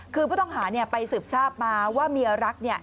คือผู้ต้องหาไปสืบทราบมาว่าเมียรัก